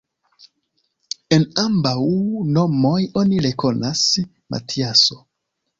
En ambaŭ nomoj oni rekonas: Matiaso.